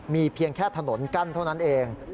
มีเพียงแค่ถนนกั้นเท่านั้นเอง